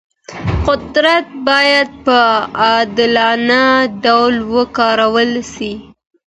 قدرت باید په عادلانه ډول وکارول سي.